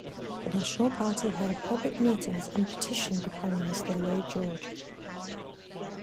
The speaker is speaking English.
The National Party held public meetings and petitioned the Prime Minister Lloyd George.